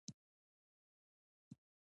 د نوامبر په دولسمه دمدینې منورې کتابتون ته لاړو.